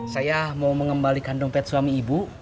saya mau mengembalikan dompet suami ibu